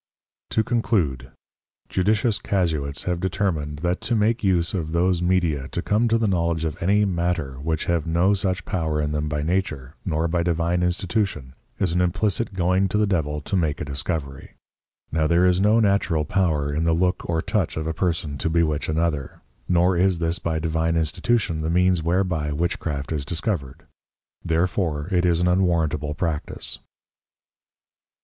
To conclude; Judicious Casuists have determined, that to make use of those Media to come to the Knowledge of any Matter, which have no such power in them by Nature, nor by Divine Institution is an Implicit going to the Devil to make a discovery: Now there is no natural Power in the Look or Touch of a Person to bewitch another; nor is this by Divine Institution the means whereby Witchcraft is discovered: Therefore it is an unwarrantable Practice.